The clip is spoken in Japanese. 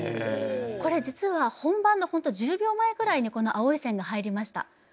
これ実は本番の本当１０秒前ぐらいにこの青い線が入りました。